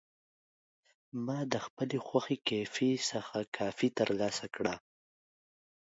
ما د خپلې خوښې کیفې څخه کافي ترلاسه کړه.